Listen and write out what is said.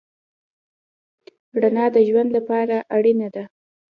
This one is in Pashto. رڼا د ژوند لپاره اړینه ده.